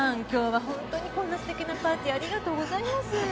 今日は本当にこんな素敵なパーティーありがとうございます。